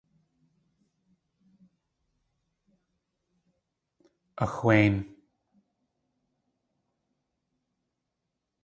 Axwéin.